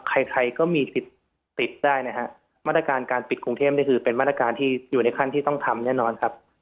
ใครใครก็มีสิทธิ์ติดได้นะฮะมาตรการการปิดกรุงเทพนี่คือเป็นมาตรการที่อยู่ในขั้นที่ต้องทำแน่นอนครับ